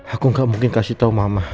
aku gak mungkin kasih tahu mama